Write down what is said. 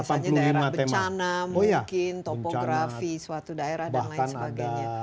misalnya daerah bencana mungkin topografi suatu daerah dan lain sebagainya